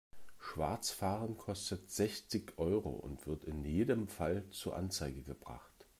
Schwarzfahren kostet sechzig Euro und wird in jedem Fall zur Anzeige gebracht.